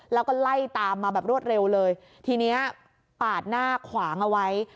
แล้วก็ไล่ตามมาแบบรวดเร็วเลยทีนี้ปาดหน้าขวางเอาไว้